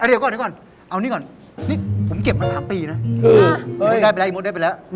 เอาเดี๋ยวก่อนเอานี่ก่อนผมเก็บมา๓ปีนะได้ไปแล้วอีมดได้ไปแล้ว